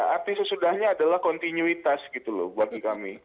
arti sesudahnya adalah kontinuitas gitu loh bagi kami